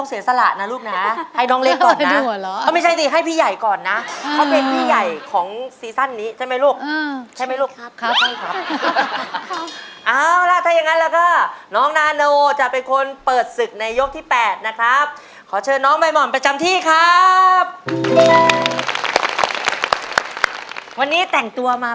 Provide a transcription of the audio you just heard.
เอ้ยเอาก่อนเลยเหรอเอ้ยเอ้ยเอ้ยเอ้ยเอ้ยเอ้ยเอ้ยเอ้ยเอ้ยเอ้ยเอ้ยเอ้ยเอ้ยเอ้ยเอ้ยเอ้ยเอ้ยเอ้ยเอ้ยเอ้ยเอ้ยเอ้ยเอ้ยเอ้ยเอ้ยเอ้ยเอ้ยเอ้ยเอ้ยเอ้ยเอ้ยเอ้ยเอ้ยเอ้ยเอ้ยเอ้ยเอ้ยเอ้ยเอ้ยเอ้ยเอ้ยเอ้ยเอ้ยเอ้ยเอ้ยเอ้ยเอ้ยเอ้ยเอ้ยเอ้ยเอ้ยเอ